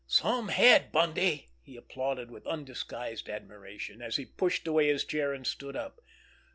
"Some head, Bundy!" he applauded with undisguised admiration, as he pushed away his chair and stood up.